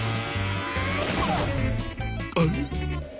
あっ！